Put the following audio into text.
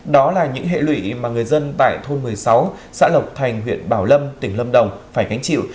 đó là những hệ lụy mà người dân tại thôn một mươi sáu xã lộc thành huyện bảo lâm tỉnh lâm đồng phải gánh chịu